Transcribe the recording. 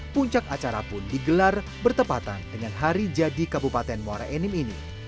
puncak acara pun digelar bertepatan dengan hari jadi kabupaten muara enim ini